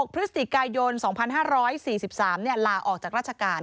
พฤศจิกายน๒๕๔๓ลาออกจากราชการ